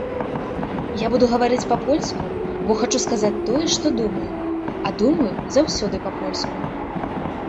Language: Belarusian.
Я буду гаварыць па-польску, бо хачу сказаць тое, што думаю, а думаю заўсёды па-польску.